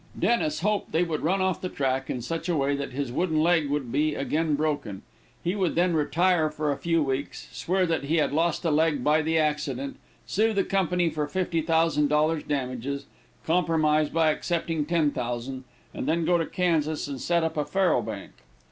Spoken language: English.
Dennis hoped they would run off the track in such a way that his wooden leg would be again broken. He would then retire for a few weeks, swear that he had lost a leg by the accident, sue the company for fifty thousand dollars damages, compromise by accepting ten thousand, and then go to Kansas and set up a faro bank.